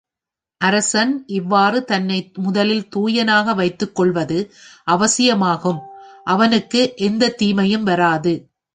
அரசன் இவ்வாறு தன்னை முதலில் தூயனாக வைத்துக்கொள்வது அவசியமாகும் அவனுக்கு எந்தத் தீமையும் வாராது.